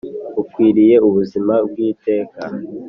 Ukwiriye ubuzima bw’iteka